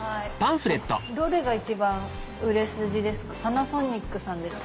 どれが一番売れ筋ですか？